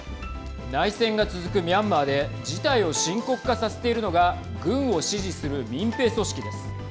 内戦が続くミャンマーで事態を深刻化させているのが軍を支持する民兵組織です。